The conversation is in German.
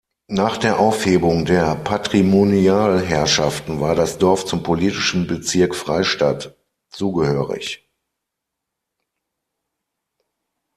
Nach der Aufhebung der Patrimonialherrschaften war das Dorf zum politischen Bezirk Freistadt zugehörig.